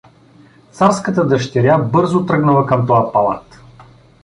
Царската дъщеря бързо тръгнала към тоя палат.